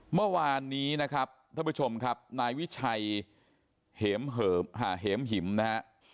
เมื่อวานนี้นะครับท่านผู้ชมครับนายวิชัยเหมหิมนะฮะ